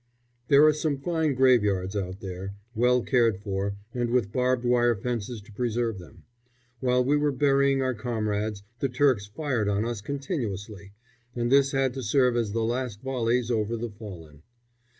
There are some fine graveyards out there, well cared for, and with barbed wire fences to preserve them. While we were burying our comrades the Turks fired on us continuously, and this had to serve as the last volleys over the fallen.